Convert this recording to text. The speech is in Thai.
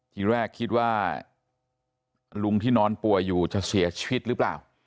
ทีแรกคิดว่าลุงที่นอนป่วยอยู่จะเสียชีวิตหรือเปล่า